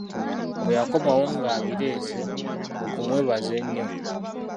Bwe yakomawo ng'abireese, kwe kumwebaza ennyo.